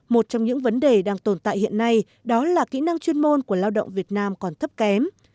một trong những vấn đề đang tồn tại hiện nay đó là kỹ năng chuyên môn của lao động việt nam còn thấp kém